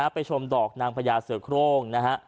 ไปชมดอกนางพญาเสือโครงนะฮะ